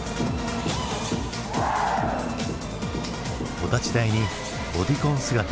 お立ち台にボディコン姿。